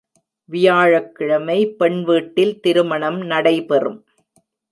வியாழக்கிழமை பெண் வீட்டில் திரு மணம் நடைபெறும்.